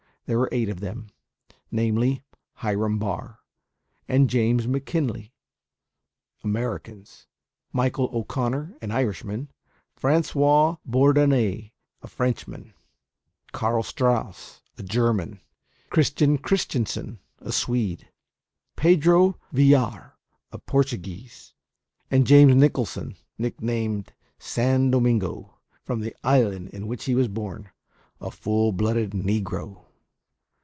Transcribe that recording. There were eight of them, namely, Hiram Barr and James Mckinley, Americans; Michael O'Connor, an Irishman; Francois Bourdonnais, a Frenchman; Carl Strauss, a German; Christian Christianssen, a Swede; Pedro Villar, a Portuguese; and James Nicholson (nicknamed "San Domingo," from the island in which he was born), a full blooded negro.